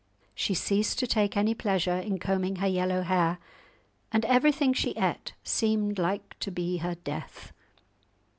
She ceased to take any pleasure in combing her yellow hair, and everything she ate seemed like to be her death.